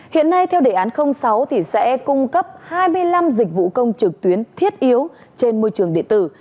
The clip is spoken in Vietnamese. hiện nay theo đề án sáu sẽ cung cấp hai mươi năm dịch vụ công trực tuyến thiết yếu trên môi trường địa tử